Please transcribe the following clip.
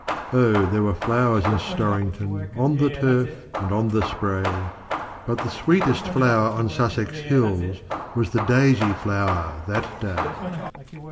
Oh, there were flowers in Storrington On the turf and on the spray; But the sweetest flower on Sussex hills Was the Daisy flower that day!